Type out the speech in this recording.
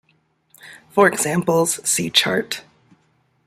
For examples, see chart.